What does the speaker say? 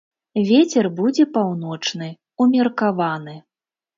Вецер будзе паўночны, умеркаваны.